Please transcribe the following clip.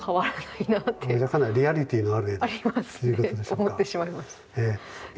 リアリティーのある絵ということですか？